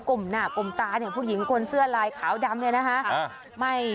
มหน้ากลมตาเนี่ยผู้หญิงคนเสื้อลายขาวดำเนี่ยนะคะ